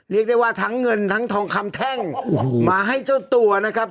เรียกได้ว่าทั้งเงินทั้งทองคำแท่งมาให้เจ้าตัวนะครับ